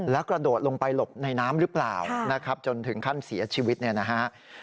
แล้วกระโดดลงไปหลบในน้ำหรือเปล่านะครับจนถึงขั้นเสียชีวิตเนี่ยนะฮะ